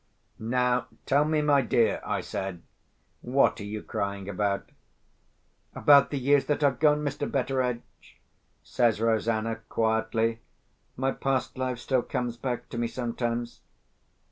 "Now, tell me, my dear," I said, "what are you crying about?" "About the years that are gone, Mr. Betteredge," says Rosanna quietly. "My past life still comes back to me sometimes."